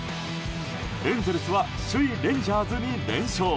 エンゼルスは首位レンジャーズに連勝。